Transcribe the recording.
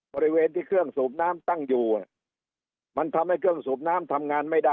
บริเวณที่เครื่องสูบน้ำตั้งอยู่มันทำให้เครื่องสูบน้ำทำงานไม่ได้